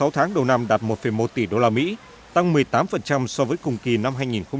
sáu tháng đầu năm đạt một một tỷ usd tăng một mươi tám so với cùng kỳ năm hai nghìn một mươi chín